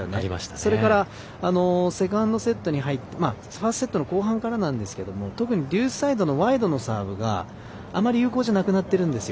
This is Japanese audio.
それから、ファーストセットの後半からですがデュースサイドのワイドのサーブあまり有効じゃなくなってるんですよ。